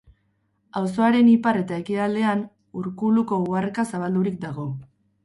Auzoaren ipar eta ekialdean Urkuluko uharka zabaldurik dago.